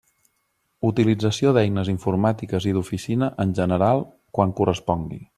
Utilització d'eines informàtiques i d'oficina en general quan correspongui.